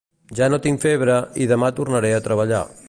Ja no tinc febre i demà tornaré a treballar